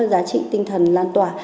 giá trị tinh thần lan tỏa